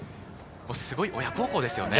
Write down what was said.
すごい親孝行ですね。